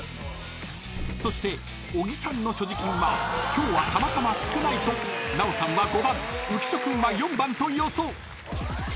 ［そして小木さんの所持金は今日はたまたま少ないと奈緒さんは５番浮所君は４番と予想］